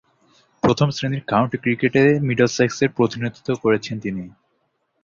প্রথম-শ্রেণীর কাউন্টি ক্রিকেটে মিডলসেক্সের প্রতিনিধিত্ব করছেন তিনি।